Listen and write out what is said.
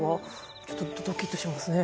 ちょっとドキッとしますね。